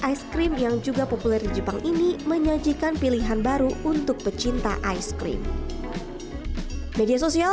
es krim yang juga populer di jepang ini menyajikan pilihan baru untuk pecinta es krim media sosial